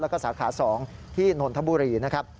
แล้วก็สาขา๒ที่นนทบุรีนะครับ